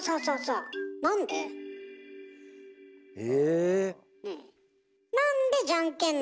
え？